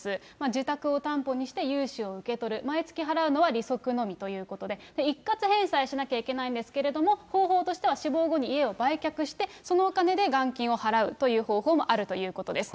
自宅を担保にして融資を受け取る、毎月払うのは利息のみということで、一括返済しなきゃいけないんですけれども、方法としては死亡後に家を売却して、そのお金で元金を払うという方法もあるということです。